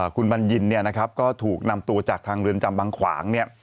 คุณบัญญินเนี่ยนะครับก็ถูกนำตัวจากทางเรือนจำบางขวางเนี่ย